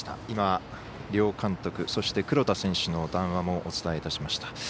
今、両監督そして黒田選手の談話もお伝えいたしました。